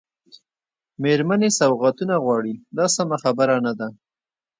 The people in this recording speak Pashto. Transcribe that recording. مېرمنې سوغاتونه غواړي دا سمه خبره نه ده.